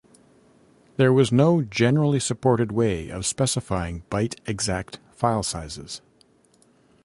There was no generally supported way of specifying byte-exact file sizes.